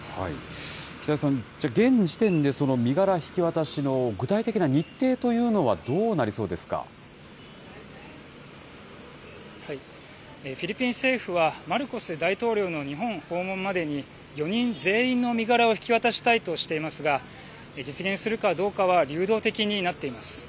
北井さん、現時点でその身柄引き渡しの具体的な日程というのはどうなりそうフィリピン政府は、マルコス大統領の日本訪問までに、４人全員の身柄を引き渡したいとしていますが、実現するかどうかは流動的になっています。